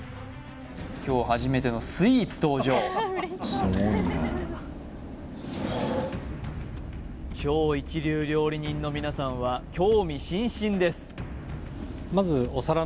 今日初めてのスイーツ登場超一流料理人の皆さんは興味津々です